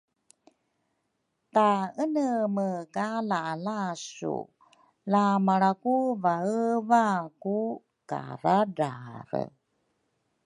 taeneme ka lalasu lamalra ku vaeva ku karadrale.